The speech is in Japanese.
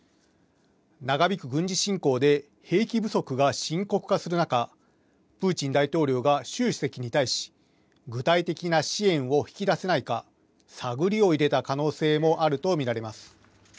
長引く軍事侵攻で、兵器不足が深刻化する中、プーチン大統領が習主席に対し、具体的な支援を引き出せないか、探りを入れた可能性もあると見られます。